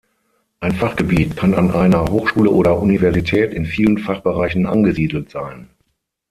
Ein Fachgebiet kann an einer Hochschule oder Universität in vielen Fachbereichen angesiedelt sein.